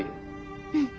うん。